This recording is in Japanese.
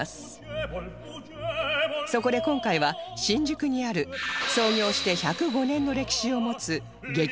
そこで今回は新宿にある創業して１０５年の歴史を持つ激